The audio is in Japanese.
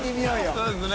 そうですね。